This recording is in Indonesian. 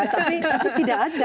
tapi tidak ada